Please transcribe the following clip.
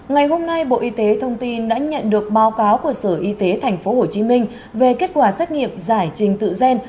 ngày hôm nay bộ y tế thông tin đã nhận được báo cáo của sở y tế tp hcm về kết quả xét nghiệm giải trình tự gen